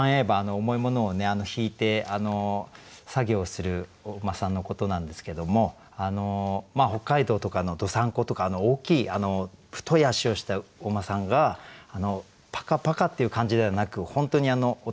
重いものを引いて作業をするお馬さんのことなんですけども北海道とかのどさんことか大きい太い脚をしたお馬さんがパカパカっていう感じではなく本当に男